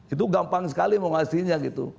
itu gampang sekali mau ngasihnya gitu